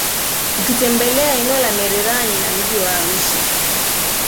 Ukitembelea eneo la Merelani na mji wa Arusha